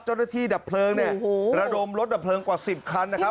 เจ้าหน้าที่ดับเพลิงเนี่ยโหโหระดมรถดับเพลิงกว่าสิบคันนะครับ